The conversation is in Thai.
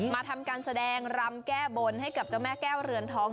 มาทำการแสดงรำแก้บนให้กับเจ้าแม่แก้วเรือนทอง